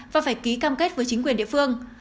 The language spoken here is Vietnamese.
và phải ký cam kết với chính quyền địa phương